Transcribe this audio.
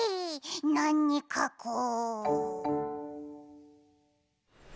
なにかこう？